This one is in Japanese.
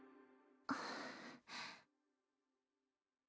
あっ。